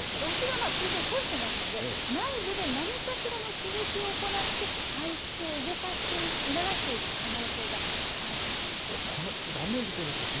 お尻は通常、閉じてますので、内部で何かしらの刺激を行って、排出を促している可能性があるということなんです。